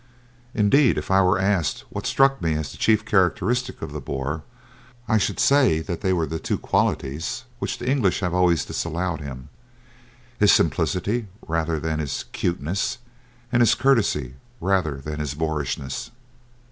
Indeed, if I were asked what struck me as the chief characteristics of the Boer I should say they were the two qualities which the English have always disallowed him, his simplicity rather than his "cuteness," and his courtesy rather than his boorishness.